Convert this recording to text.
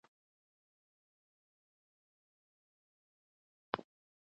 هغه د کورني ژوند د ښه والي لپاره د پاکوالي عادات جوړوي.